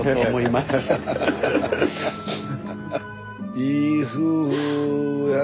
いい夫婦やね。